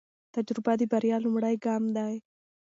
تجربه د بریا لومړی ګام دی.